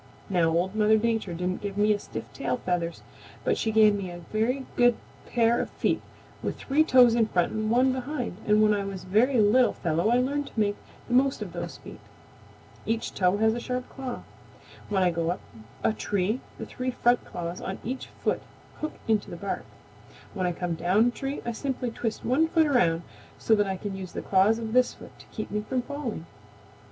"Now Old Mother Nature didn't give me stiff tail feathers, but she gave me a very good pair of feet with three toes in front and one behind and when I was a very little fellow I learned to make the most of those feet. Each toe has a sharp claw. When I go up a tree the three front claws on each foot hook into the bark. When I come down a tree I simply twist one foot around so that I can use the claws of this foot to keep me from falling.